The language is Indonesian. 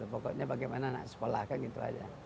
pokoknya bagaimana anak sekolah kan gitu aja